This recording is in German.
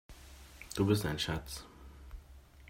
Du bist ein Schatz!